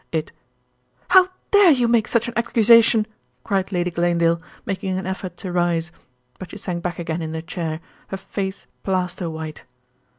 It " "How dare you make such an accusation!" cried Lady Glanedale, making an effort to rise; but she sank back again in her chair, her face plaster white.